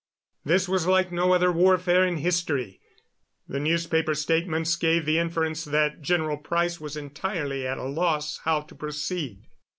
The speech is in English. This was like no other warfare in history. The newspaper statements gave the inference that General Price was entirely at a loss how to proceed.